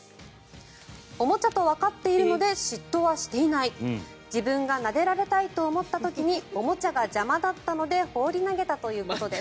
おもちゃとわかっているので嫉妬はしていない自分がなでられたいと思った時におもちゃが邪魔だったので放り投げたということです。